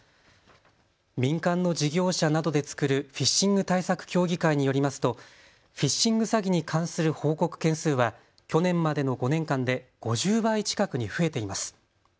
民間の事業者などで作るフィッシング対策協議会によりますとフィッシング詐欺に関する報告件数は去年までの５年間で５０倍近くに増えています。